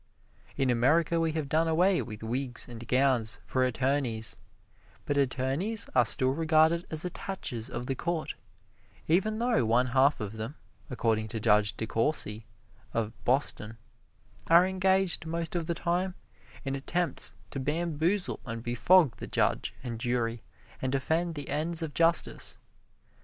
In America we have done away with wigs and gowns for attorneys, but attorneys are still regarded as attaches of the court, even though one half of them, according to Judge DeCourcy of Boston, are engaged most of the time in attempts to bamboozle and befog the judge and jury and defeat the ends of justice.